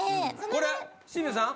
これ清水さん。